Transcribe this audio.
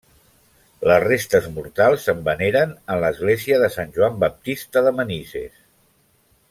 Les restes mortals se'n veneren en l'església de Sant Joan Baptista de Manises.